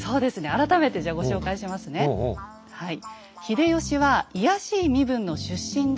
改めてじゃご紹介しますねはい。